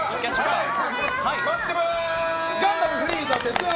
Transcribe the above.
待ってます！